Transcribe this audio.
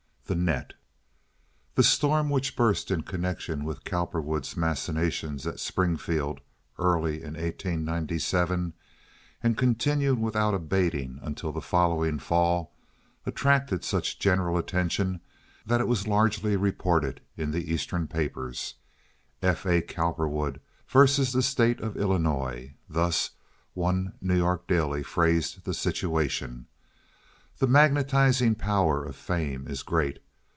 The Net The storm which burst in connection with Cowperwood's machinations at Springfield early in 1897, and continued without abating until the following fall, attracted such general attention that it was largely reported in the Eastern papers. F. A. Cowperwood versus the state of Illinois—thus one New York daily phrased the situation. The magnetizing power of fame is great.